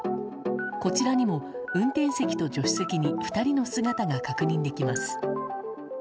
こちらにも運転席と助手席に２人の姿が確認できます。